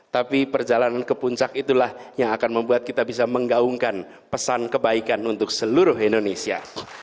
tapi perjalanan ke puncak itulah yang akan membuat kita bisa menggaungkan pesan kebaikan untuk seluruh indonesia